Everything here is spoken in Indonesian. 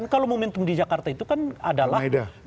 kalau momentum di jakarta itu kan adalah